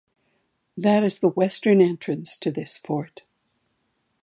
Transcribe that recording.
That is the western entrance to this fort.